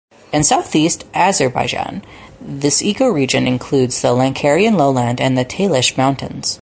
In southeast Azerbaijan, this ecoregion includes the Lankaran Lowland and the Talysh Mountains.